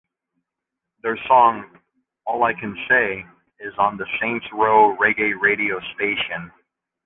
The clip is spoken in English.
Their song "All I Can Say" is on the Saints Row reggae radio station.